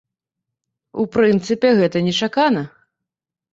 У прынцыпе, гэта нечакана.